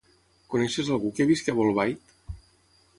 Coneixes algú que visqui a Bolbait?